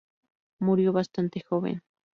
Murió bastante joven.